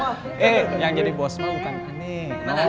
eh yang jadi bos mau kan aneh